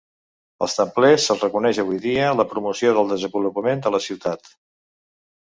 Als Templers se'ls reconeix avui dia la promoció del desenvolupament de la ciutat.